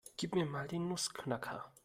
Gib mir mal den Nussknacker.